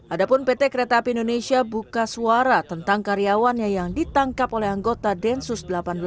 adapun pt kereta api indonesia buka suara tentang karyawannya yang ditangkap oleh anggota densus delapan puluh delapan